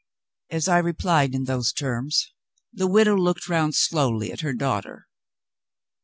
As I replied in those terms the widow looked round slowly at her daughter.